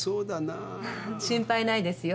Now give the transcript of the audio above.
心配ないですよ。